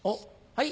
はい。